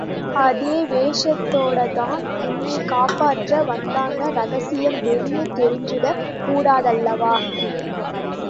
அதே வேஷத்தோடேதான் உன்னைக் காப்பாற்ற வந்தாங்க ரகசியம் வெளியே தெரிஞ்சுடக் கூடாதல்லவா?